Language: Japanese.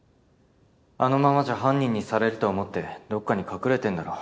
あのままじゃ犯人にされると思ってどっかに隠れてんだろ。